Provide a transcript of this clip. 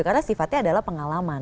karena sifatnya adalah pengalaman